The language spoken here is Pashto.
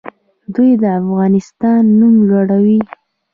دوی د افغانستان نوم لوړوي.